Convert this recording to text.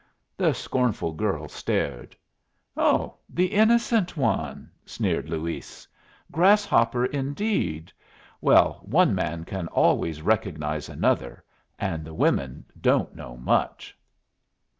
The scornful girl stared. "Oh, the innocent one!" sneered Luis. "Grasshopper, indeed! Well, one man can always recognize another, and the women don't know much."